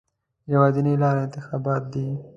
یوازینۍ لاره انتخابات دي.